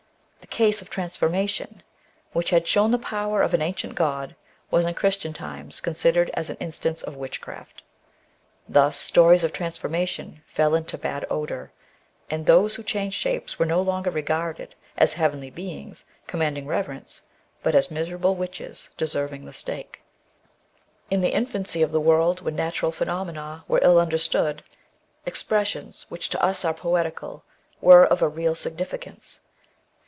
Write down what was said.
A case of transformation which had shown the power of an ancient god, was in Christian times con sidered as an instance of witchcraft. Thus stories of transformation fell into bad odour, and those who changed shapes were no longer regarded as heavenly beings, commanding reverence, buA as miserable witches deserving the stake. ^ In the infancy of the world, when natural phenomena were ill understood, expressions which to us are poetical were of a real significance.